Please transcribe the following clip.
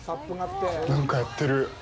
何かやってる。